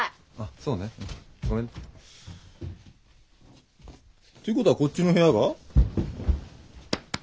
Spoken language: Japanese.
そうねごめんね。ということはこっちの部屋が？